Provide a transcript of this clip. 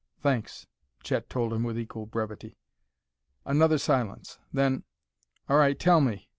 "Thanks," Chet told him with equal brevity. Another silence. Then: "All right, tell me!